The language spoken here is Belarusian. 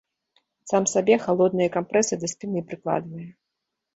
Сам сабе халодныя кампрэсы да спіны прыкладвае.